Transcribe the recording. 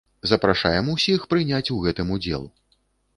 Запрашаем усіх прыняць у гэтым удзел.